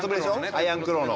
アイアンクローの。